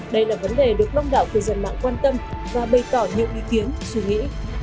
đây là vấn đề được đông đảo cư dân mạng quan tâm và bày tỏ nhiều ý kiến suy nghĩ